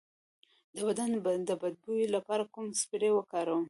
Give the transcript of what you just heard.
د بدن د بد بوی لپاره کوم سپری وکاروم؟